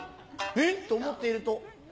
「え？」っと思っていると